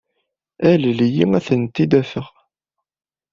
Alel-iyi ad ten-id-afeɣ.